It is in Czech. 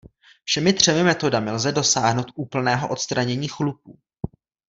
Všemi třemi metodami lze dosáhnout úplného odstranění chlupů.